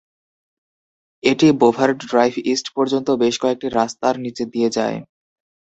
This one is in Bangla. এটি বোভারড ড্রাইভ ইস্ট পর্যন্ত বেশ কয়েকটি রাস্তার নিচে দিয়ে যায়।